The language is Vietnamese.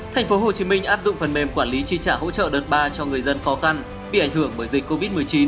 tp hcm áp dụng phần mềm quản lý chi trả hỗ trợ đợt ba cho người dân khó khăn bị ảnh hưởng bởi dịch covid một mươi chín